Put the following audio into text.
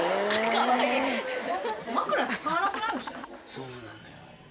そうなのよ。